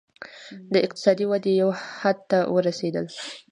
د اقتصادي ودې یو حد ته ورسېدل.